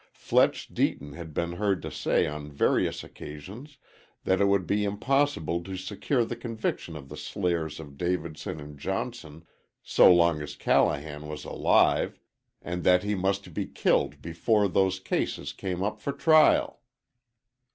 Fletch Deaton had been heard to say on various occasions that it would be impossible to secure the conviction of the slayers of Davidson and Johnson so long as Callahan was alive, and that he must be killed before those cases came up for trial.